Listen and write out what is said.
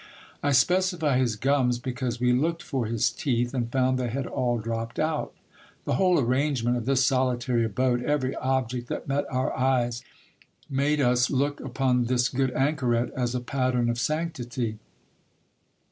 I specify his gums, because we looked for his teeth, and found they had all dropped out. The whole arrangement of this solitary abode, every object that met our eyes, made us look upon this good anchoret as a pattern of sanctity.